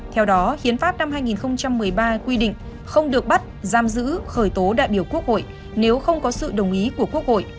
theo đó hiến pháp năm hai nghìn một mươi ba quy định không được bắt giam giữ khởi tố đại biểu quốc hội nếu không có sự đồng ý của quốc hội